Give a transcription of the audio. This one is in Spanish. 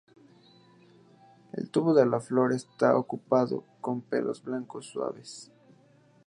El tubo de la flor está ocupado con pelos blancos suaves.